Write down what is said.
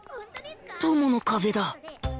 友の壁だ